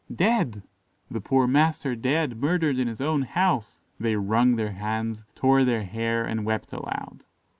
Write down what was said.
"Dead! the poor master dead, murdered in his own house." They wrung their hands, tore their hair, and wept aloud.